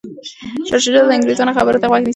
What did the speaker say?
شاه شجاع د انګریزانو خبرو ته غوږ نیسي.